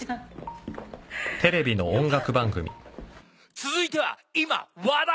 続いては今話題沸騰！